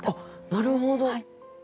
なるほど。